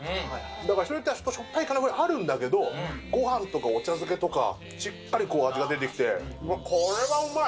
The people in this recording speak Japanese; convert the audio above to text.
だから少ししょっぱいぐらいあるんだけど、ごはんとかお茶漬けとか、しっかりこう、味が出てきて、これはうまい！